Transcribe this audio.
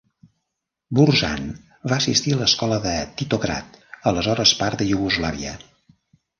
Burzan va assistir a l'escola de Titograd, aleshores part de Iugoslàvia.